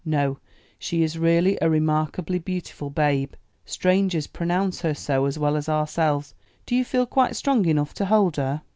"No; she is really a remarkably beautiful babe. Strangers pronounce her so as well as ourselves. Do you feel quite strong enough to hold her?"